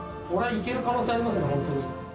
いける可能性ありますね。